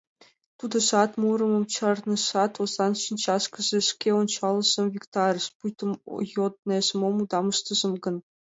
Тудыжат мурымым чарнышат, озан шинчашкыжак шке ончалтышыжым виктарыш, пуйто йоднеже: «Мом удам ыштышым гын?